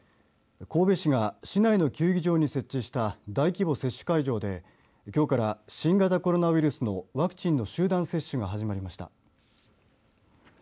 神戸市が市内の球技場に設置した大規模接種会場できょうから新型コロナウイルスのワクチンの集団接種が始まりました。